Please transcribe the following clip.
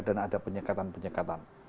dan ada penyekatan penyekatan